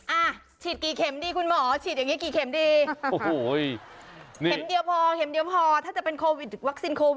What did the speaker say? อ้าวฉีดกี่เข็มดีคุณหมอฉีดอย่างเงี้ยกี่เข็มดีโอ้ย